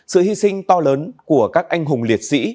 sự hy sinh to lớn của các anh hùng liệt sĩ